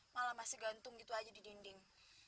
malah masih gantung gitu aja di dinding